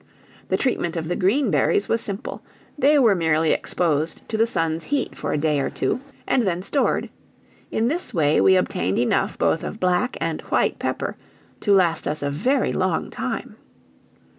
The treatment of the green berries was simple; they were merely exposed to the sun's heat for a day or two, and then stored: in this way we obtained enough, both of black and white pepper, to last us a very long time.